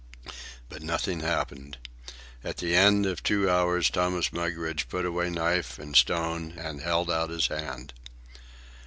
But nothing happened. At the end of two hours Thomas Mugridge put away knife and stone and held out his hand.